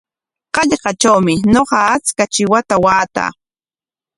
Hallqatrawmi ñuqa achka chiwata waataa.